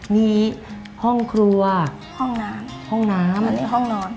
มีห้องครัวห้องน้ำห้องนอน